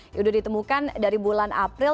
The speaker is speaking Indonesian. sudah ditemukan dari bulan april